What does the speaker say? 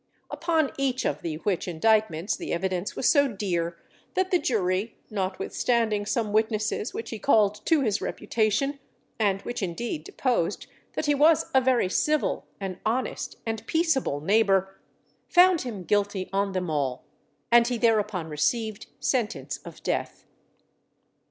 Upon each of the which indictments the evidence was so dear that the jury, notwithstanding some witnesses which he called to his reputation, and which indeed deposed that he was a very civil and honest, and peaceable neighbour, found him guilty on them all, and he thereupon received sentence of death.